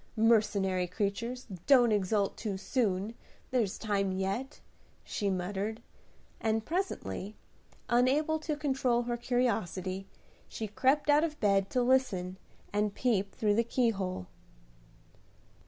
Mercenary creatures, don't exult too soon! there's time yet," she muttered; and presently, unable to control her curiosity, she crept out of bed to listen and peep through the keyhole.